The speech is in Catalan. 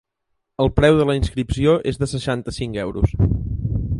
El preu de la inscripció és de seixanta-cinc euros.